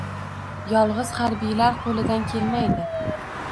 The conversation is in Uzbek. yolg‘iz harbiylar qo‘lidan kelmaydi.